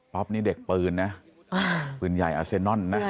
นี่เด็กปืนนะปืนใหญ่อาเซนอนนะ